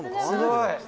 すごい！